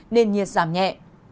nền nhiệt giảm nhẹ